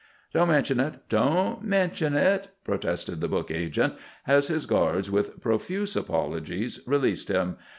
"Don't mention it, don't mention it," protested the book agent, as his guards, with profuse apologies, released him.